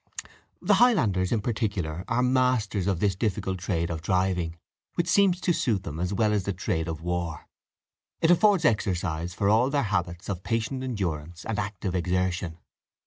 The Highlanders in particular are masters of this difficult trade of driving, which seems to suit them as well as the trade of war. It affords exercise for all their habits of patient endurance and active exertion.